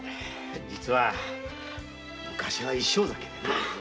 実は昔は一升酒でな。